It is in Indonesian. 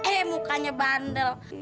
eh mukanya bandel